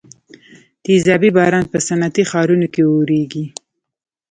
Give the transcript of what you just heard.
تیزابي باران په صنعتي ښارونو کې اوریږي.